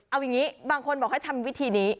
เอาอย่างนี้บางคนบอกให้ทำวิธีนี้